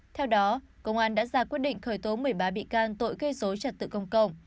theo đó công an đã ra quyết định khởi tố một mươi ba bị can tội gây dối trật tự công cộng